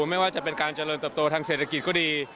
ไม่ว่าจะเป็นการเจริญเติบโตทางเศรษฐกิจก็ดี